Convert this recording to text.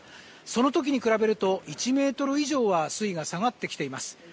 その時に比べると、１ｍ以上は水位が下がってきています。